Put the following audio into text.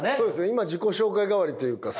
今自己紹介代わりというかサイの。